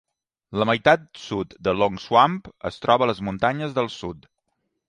La meitat sud de Longswamp es troba a les muntanyes del sud.